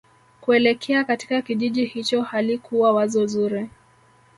kuelekea katika kijiji hicho halikuwa wazo zuri